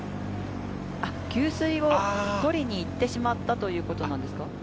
あっ、給水を取りに行ってしまったということなんですか？